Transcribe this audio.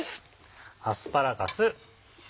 アスパラガス。